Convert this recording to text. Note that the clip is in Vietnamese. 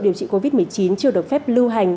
điều trị covid một mươi chín chưa được phép lưu hành